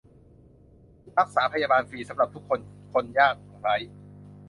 รักษาพยาบาลฟรีสำหรับ : ทุกคน คนยากไร้